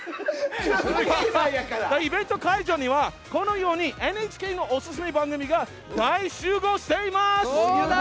イベント会場にはこのようにＮＨＫのオススメ番組が大集合しています。